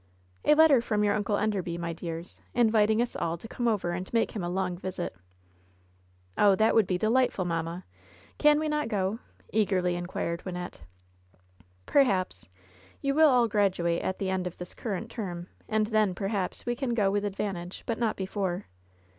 "A letter from your Uncle Enderby, my dears, invit ing us all to come over and make him a long visit." "Oh ! that would be delightful, mamma. Can we not go ?" eagerly inquired "Wynnette. "Perhaps, You will all graduate at the end of this, current term, and then, perhaps, we can go with advan tage, but not before."